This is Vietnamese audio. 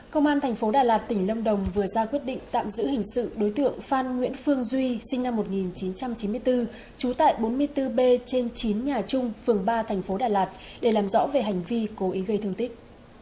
công an thành phố đà lạt tỉnh lâm đồng vừa ra quyết định tạm giữ hình sự đối tượng phan nguyễn phương duy sinh năm một nghìn chín trăm chín mươi bốn trú tại bốn mươi bốn b trên chín nhà trung phường ba thành phố đà lạt để làm rõ về hành vi cố ý gây thương tích